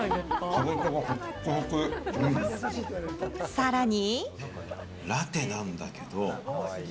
さらに。